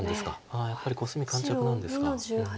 ああやっぱりコスミ緩着なんですか。